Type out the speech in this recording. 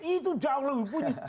itu jauh lebih penting